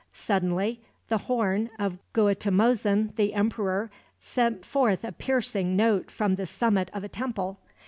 Suddenly the horn of Guatimozin, the emperor, sent forth a piercing note from the summit of a temple.